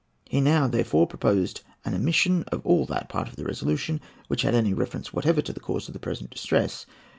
He now, therefore, proposed an omission of all that part of the resolution which had any reference whatever to the cause of the present distress.